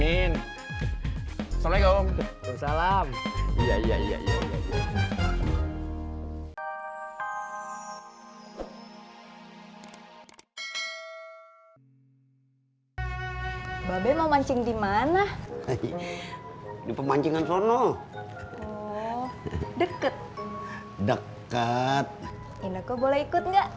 iya gue juga tau